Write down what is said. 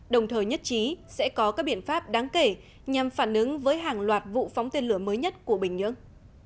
đồng thời nhất trí sẽ có các biện pháp đáng kể nhằm phản ứng với hàng loạt vụ phóng tên lửa mới nhất của bình nhưỡng